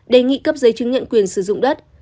đề nghị cấp giấy chứng nhận quyền sử dụng đất